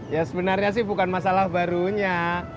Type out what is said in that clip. ya sebenarnya sih bukan masalah barunya